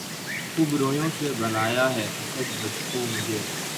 خوبرویوں نے بنایا ہے اسد بد خو مجھے